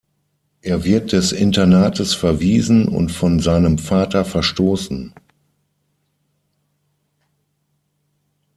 Er wird des Internates verwiesen und von seinem Vater verstoßen.